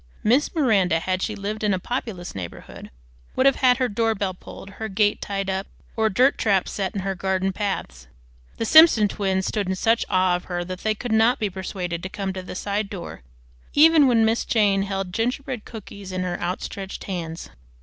Miss Miranda, had she lived in a populous neighborhood, would have had her doorbell pulled, her gate tied up, or "dirt traps" set in her garden paths. The Simpson twins stood in such awe of her that they could not be persuaded to come to the side door even when Miss Jane held gingerbread cookies in her outstretched hands.